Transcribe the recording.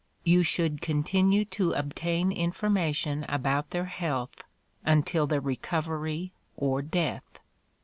You should continue to obtain information about their health until their recovery or death.